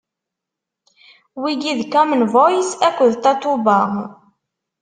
wigi d Common Voice akked Tatoeba.